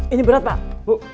ini berat pak bu